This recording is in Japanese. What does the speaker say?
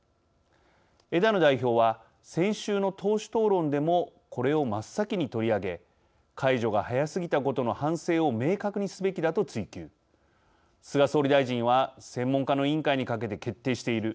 枝野代表は、先週の党首討論でもこれを真っ先に取り上げ解除が早すぎたことの反省を明確にすべきだと追及菅総理大臣は専門家の委員会にかけて決定している。